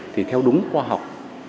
thì theo đúng khoa học